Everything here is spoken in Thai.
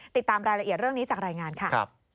ติดตามรายละเอียดเรื่องนี้จากรายงานค่ะ